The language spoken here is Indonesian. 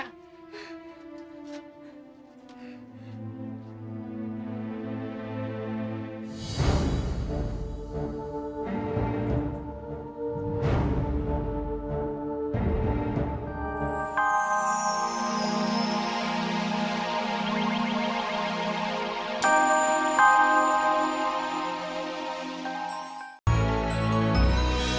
kau tak akan menikahimu